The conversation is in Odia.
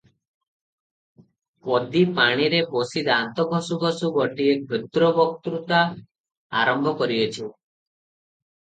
ପଦୀ ପାଣିରେ ବସି ଦାନ୍ତ ଘଷୁ ଘଷୁ ଗୋଟିଏ କ୍ଷୁଦ୍ର ବକ୍ତୃତା ଆରମ୍ଭ କରିଅଛି ।